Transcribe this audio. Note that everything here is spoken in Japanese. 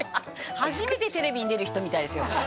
「初めてテレビに出る人みたいですよ」